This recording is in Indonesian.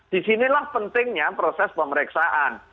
disinilah pentingnya proses pemeriksaan